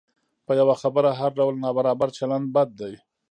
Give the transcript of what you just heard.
په یوه خبره هر ډول نابرابر چلند بد دی.